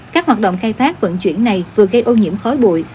các hoạt động khai thác vận chuyển này vừa gây ô nhiễm khói bụi